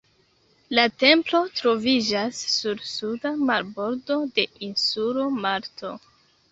La templo troviĝas sur suda marbordo de insulo Malto.